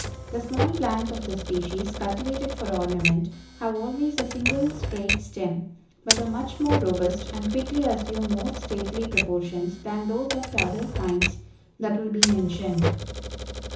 The small plants of this species, cultivated for ornament, have always a single, straight stem; but are much more robust, and quickly assume more stately proportions than those of the other kinds that will be mentioned.